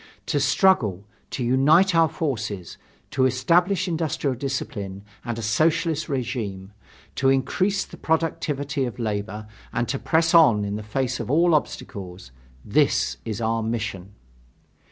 To struggle, to unite our forces, to establish industrial discipline and a Socialist regime, to increase the productivity of labor, and to press on in the face of all obstacles this is our mission.